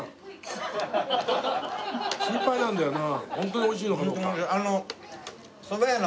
心配なんだよな。